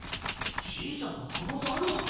じいちゃんがあのマグマを？